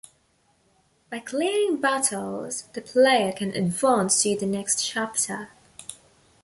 By clearing battles, the player can advance to the next chapter.